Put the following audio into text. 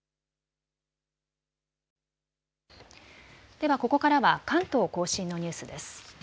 では、ここからは関東甲信のニュースです。